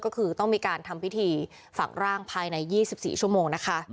ก็คือต้องมีการทำพิธีฝังร่างภายใน๒๔ชั่วโมงนะคะ